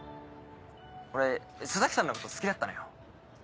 俺洲崎さんのこと好きだったのよ。